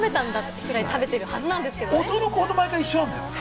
驚くほど毎回一緒なんだよ？